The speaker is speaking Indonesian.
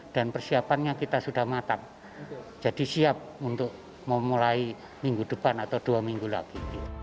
dan persiapannya kita sudah matang jadi siap untuk memulai minggu depan atau dua minggu lagi